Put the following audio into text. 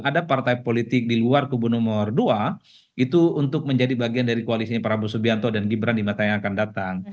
ada partai politik di luar kubu nomor dua itu untuk menjadi bagian dari koalisinya prabowo subianto dan gibran di mata yang akan datang